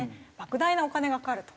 莫大なお金がかかると。